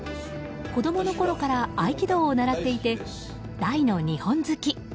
子供のころから合気道を習っていて大の日本好き。